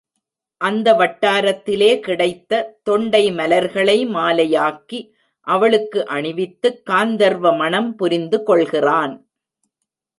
அந்த வட்டாரத்திலே கிடைத்த தொண்டை மலர்களை மாலையாக்கி அவளுக்கு அணிவித்துக் காந்தர்வ மணம் புரிந்து கொள்கிறான்.